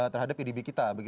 terhadap pdb kita